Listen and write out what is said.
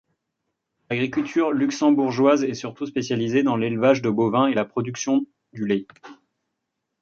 L'agriculture luxembourgeoise est surtout spécialisée dans l'élevage de bovins et la production du lait.